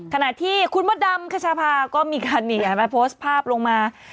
ขณะที่คุณมดดำคชาพาก็มีการโพสต์ภาพลงมา